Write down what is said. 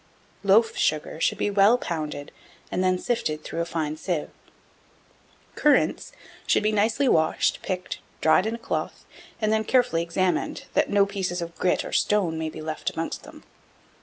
1705. Loaf Sugar should be well pounded, and then sifted through a fine sieve. 1706. Currants should be nicely washed, picked, dried in a cloth, and then carefully examined, that no pieces of grit or stone may be left amongst them.